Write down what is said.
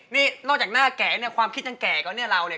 นี่นอกจากหน้าแก่ความคิดทางแก่เกือบอายุไหน